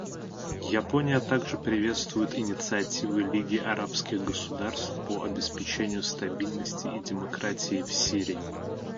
Япония также приветствует инициативы Лиги арабских государств по обеспечению стабильности и демократии в Сирии.